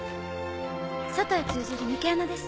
外へ通じる抜け穴です。